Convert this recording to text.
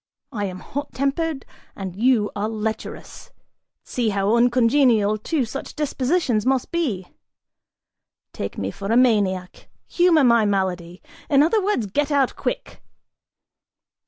I am hot tempered and you are lecherous; see how uncongenial two such dispositions must be! Take me for a maniac, humor my malady: in other words, get out quick!"